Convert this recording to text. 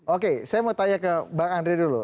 oke saya mau tanya ke bang andre dulu